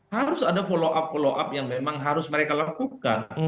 harus ada follow up follow up yang memang harus mereka lakukan